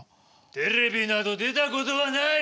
テレビなど出たことはない！